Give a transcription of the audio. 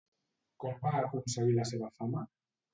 Com va aconseguir la seva fama?